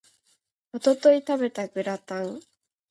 一昨日食べたグラタン